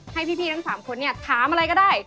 ให้พี่ทั้ง๓คนเนี่ยถามอะไรก็ได้